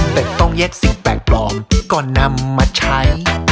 แต่ต้องเย็กสิ่งแปลกปลอมก่อนนำมาใช้